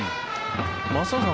松坂さん